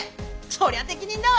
そりゃ適任だわ。